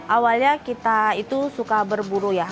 awalnya kita itu suka berburu ya